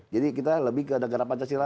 jadi kita lebih ke negara pancasila